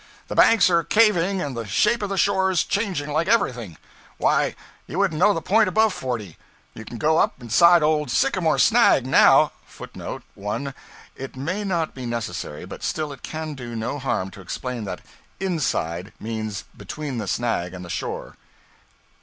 The banks are caving and the shape of the shores changing like everything. Why, you wouldn't know the point above 40. You can go up inside the old sycamore snag, now.{footnote [1. It may not be necessary, but still it can do no harm to explain that 'inside' means between the snag and the shore.